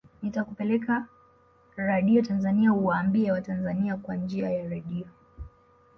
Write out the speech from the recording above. nitakupeleka radio tanzania uwaambie watanzania kwa njia ya radio